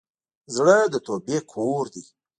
زړه د توبې کور دی.